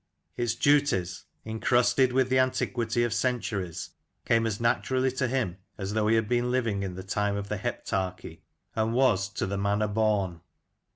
Its duties, incrusted with the antiquity of centuries, came as naturally to him as though he had been living in the time of the Heptarchy, and was "to the manner born."